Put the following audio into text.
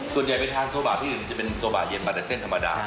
ส่วนใหญ่ไปทานโซบาที่อื่นจะเป็นโซบาเย็นบันไดเส้นธรรมดา